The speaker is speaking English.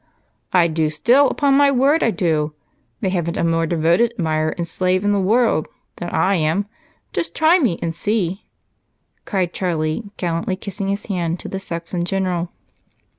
"I do still, upon my word I do! They haven't a more devoted admirer and slave in the world than I am. Just try me and see," cried Charlie, gallantly kissing his hand to the sex in general.